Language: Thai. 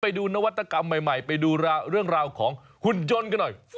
ไปดูนวัตกรรมใหม่ไปดูเรื่องราวของหุ่นยนต์กันหน่อย